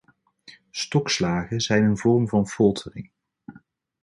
Stokslagen zijn een vorm van foltering.